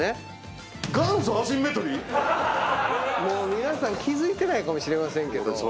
もう皆さん気付いてないかもしれませんけど。